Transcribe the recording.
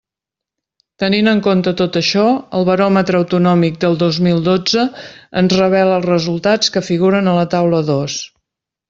Tenint en compte tot això, el baròmetre autonòmic del dos mil dotze ens revela els resultats que figuren a la taula dos.